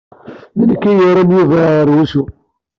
D nekk i yerran Yuba ar wusu.